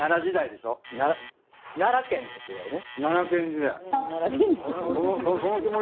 奈良県の時代ね。